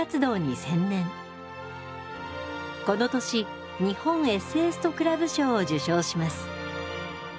この年日本エッセイスト・クラブ賞を受賞します。